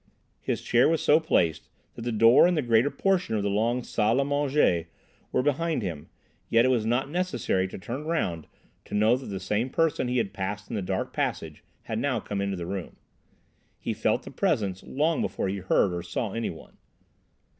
His chair was so placed that the door and the greater portion of the long salle à manger were behind him, yet it was not necessary to turn round to know that the same person he had passed in the dark passage had now come into the room. He felt the presence long before he heard or saw any one.